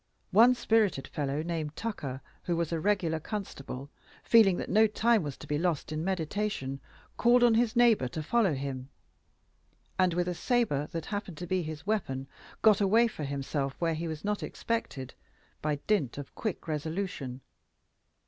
One spirited fellow, named Tucker, who was a regular constable, feeling that no time was to be lost in meditation, called on his neighbor to follow him, and with a sabre that happened to be his weapon, got away for himself where he was not expected, by dint of quick resolution.